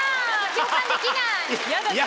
共感できない話。